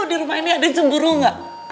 di rumah ini ada yang cemburu gak